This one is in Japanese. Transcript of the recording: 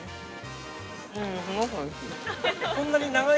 すごくおいしい。